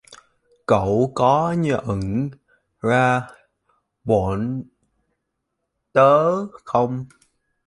Cậu có nhận ra bọn tớ không